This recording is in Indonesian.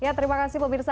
ya terima kasih om irsa